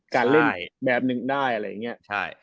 การเล่นแบบหนึ่งได้อะไรอย่างนี้